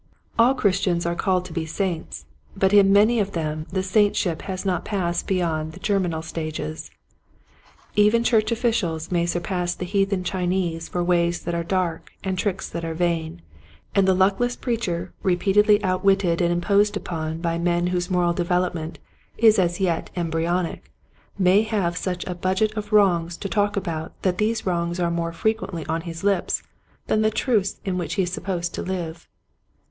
All Christians are called to be saints, but in many of them the saintship has not passed beyond the germinal stages Even church officials may surpass the heathen Chinese for ways that are dark and tricks that are vain, and the luckless preacher repeatedly outwitted and im posed upon by men whose moral develop ment is as yet embryonic may have such a budget of wrongs to talk about that these wrongs are more frequently on his lips than the truths in which he is supposed to live.